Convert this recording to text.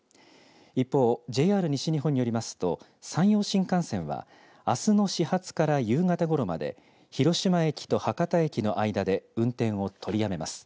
一方、ＪＲ西日本によりますと山陽新幹線はあすの始発から夕方ごろまで広島駅と博多駅の間で運転を取りやめます。